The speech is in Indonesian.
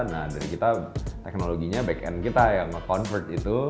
nah dari kita teknologinya back end kita yang nge convert itu